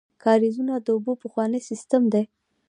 کاریزونه د اوبو پخوانی سیسټم دی.